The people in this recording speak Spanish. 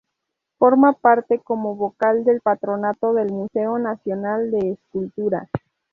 Forma parte como Vocal del Patronato del Museo Nacional de Escultura.